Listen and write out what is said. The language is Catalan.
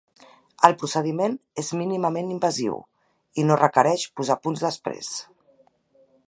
El procediment és mínimament invasiu i no requereix posar punts després.